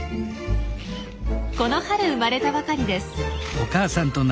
この春生まれたばかりです。